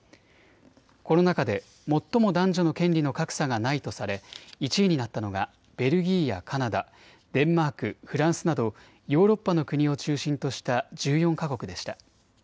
この中で最も男女の権利の格差がないとされ１位になったのがベルギーやカナダ、デンマーク、フランスなどヨーロッパの国を中心とした１４か国でした。